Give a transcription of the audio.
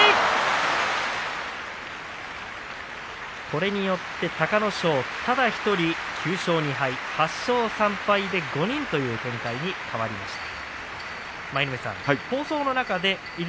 これによって隆の勝ただ１人、９勝２敗８勝３敗で５人という展開に変わりました。